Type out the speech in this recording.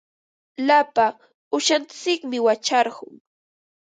Lapa uushantsikmi wacharqun.